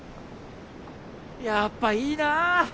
やっぱいいなぁ！